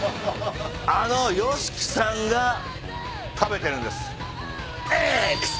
あのＹＯＳＨＩＫＩさんが食べてるんです。